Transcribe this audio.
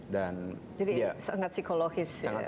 jadi sangat psikologis ya